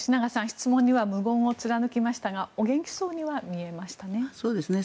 質問には無言を貫きましたがお元気そうには見えましたね。